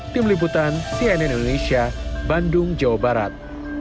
tim liputan cnn indonesia bandung jawa barat